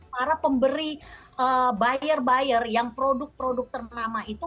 para pemberi buyer buyer yang produk produk ternama itu